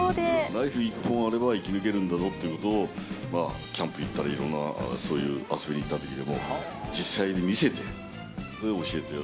ナイフ１本あれば生き抜けるんだぞっていうことを、キャンプ行ったり、いろんなそういう遊びに行ったときでも、実際に見せて、それで教えてる。